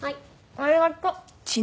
ありがとう。